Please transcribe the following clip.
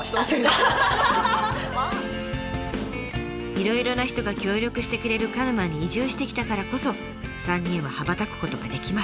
いろいろな人が協力してくれる鹿沼に移住してきたからこそ３人は羽ばたくことができます。